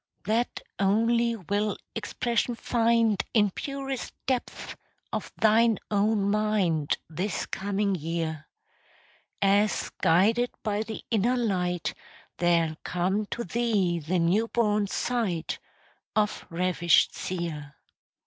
That only will expression find In purest depths of thine own mind This coming year; As, guided by the inner light, There'll come to thee the new born sight Of ravished seer.